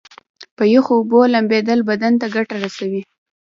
په یخو اوبو لمبیدل بدن ته ګټه رسوي.